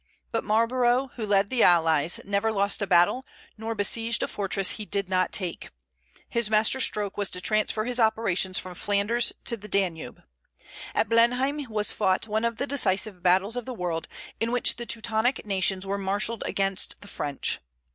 But Marlborough, who led the allies, never lost a battle, nor besieged a fortress he did not take. His master stroke was to transfer his operations from Flanders to the Danube. At Blenheim was fought one of the decisive battles of the world, in which the Teutonic nations were marshalled against the French.